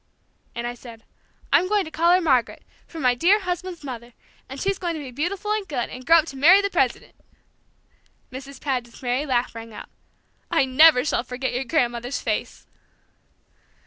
And I said, 'I'm going to call her Margaret, for my dear husband's mother, and she's going to be beautiful and good, and grow up to marry the President!'" Mrs. Paget's merry laugh rang out. "I never shall forget your grandmother's face."